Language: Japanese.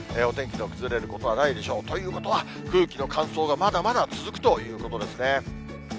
お天気の崩れることはないでしょう。ということは、空気の乾燥がまだまだ続くということですね。